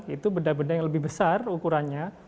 itu benda benda yang lebih besar ukurannya